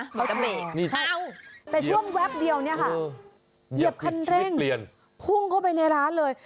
เหมือนกับเมลิกใช่แต่ช่วงแว๊บเดียวนี้ค่ะเหยียบขันเร่งพุ่งเข้าไปในร้านเลย